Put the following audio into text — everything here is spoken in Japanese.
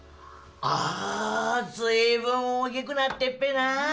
ああずいぶん大きくなってっぺな。